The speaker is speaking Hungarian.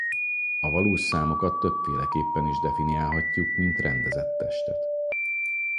A valós számokat többféleképpen is definiálhatjuk mint rendezett testet.